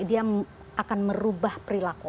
dia akan merubah perilaku